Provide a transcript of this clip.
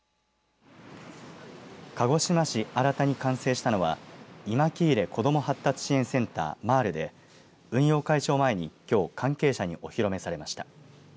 鹿児島市荒田に完成したのはいまきいれ子ども発達支援センターまぁるで運用開始を前に、きょう関係者にお披露目されました。